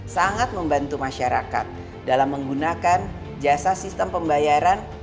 sangat membantu masyarakat dalam menggunakan jasa sistem pembayaran